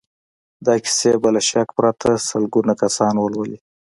دا کيسې به له شک پرته سلګونه کسان ولولي.